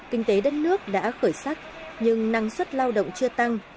kinh tế đất nước đã khởi sắc nhưng năng suất lao động chưa tăng